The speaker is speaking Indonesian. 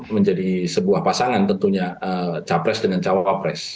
menjadi sebuah pasangan tentunya capres dengan cawapres